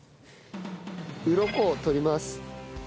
うろこを取ります。